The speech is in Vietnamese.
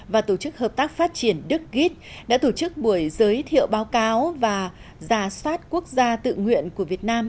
và tổ chức hợp tác phát triển đức git đã tổ chức buổi giới thiệu báo cáo và giả soát quốc gia tự nguyện của việt nam